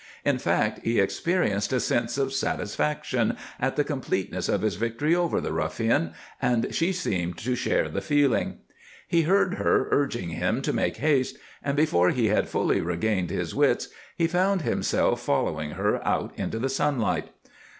In fact, he experienced a sense of satisfaction at the completeness of his victory over the ruffian, and she seemed to share the feeling. He heard her urging him to make haste, and before he had fully regained his wits he found himself following her out into the sunlight.